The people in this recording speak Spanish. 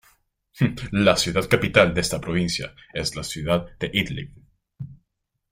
La ciudad capital de esta provincia es la ciudad de Idlib.